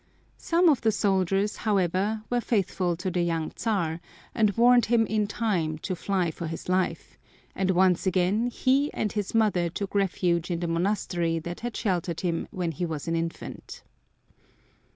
Some of the soldiers, however, were faithful to the young Czar and warned him in time to fly for his life, and once again he and his mother took refuge in the monastery that had sheltered him when he was an infant.